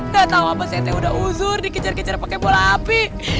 nggak tau apa sih yang udah uzur dikejar kejar pake bola api